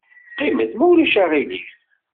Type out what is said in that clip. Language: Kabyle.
Qqimet, ma ulac aɣilif.